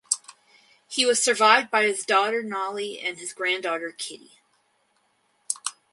He was survived by his daughter Nali and his granddaughter Kitty.